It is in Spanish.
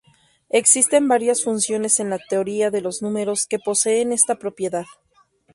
Existen varias funciones en la teoría de los números que poseen esta propiedad.